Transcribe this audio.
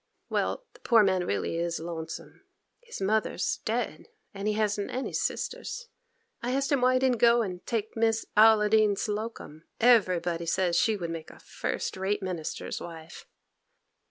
Well, the poor man really is lonesome, his mother's dead, and he hasn't any sisters. I asked him why he didn't go and take Miss Olladine Hocum. Everybody says she would make a first rate minister's wife.